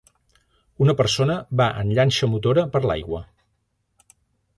Una persona va en llanxa motora per l'aigua